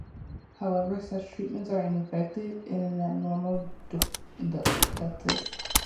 However, such treatments are ineffective in an abnormal ductus.